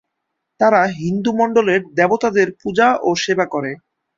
তারা হিন্দু মণ্ডলের দেবতাদের পূজা ও সেবা করে।